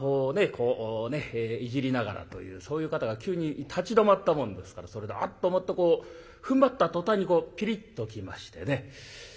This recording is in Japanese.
こうねいじりながらというそういう方が急に立ち止まったもんですからそれで「あっ」と思ってこうふんばった途端にピリッときましてね。